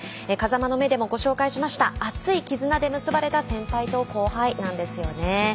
「風間の目」でもご紹介しました熱いきずなで結ばれた先輩と後輩なんですよね。